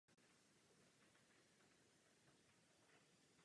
Konejme už, proboha!